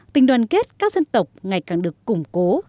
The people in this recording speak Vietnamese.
tình đoàn kết các dân tộc ngày càng được củng cố